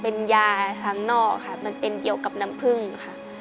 เป็นยาทางนอกค่ะมันเป็นเกี่ยวกับน้ำผึ้งค่ะ